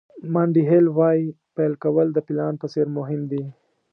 مانډي هیل وایي پیل کول د پلان په څېر مهم دي.